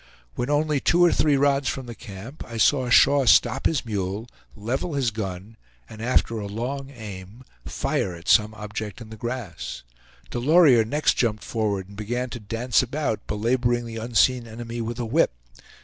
When only two or three rods from the camp I saw Shaw stop his mule, level his gun, and after a long aim fire at some object in the grass. Delorier next jumped forward and began to dance about, belaboring the unseen enemy with a whip.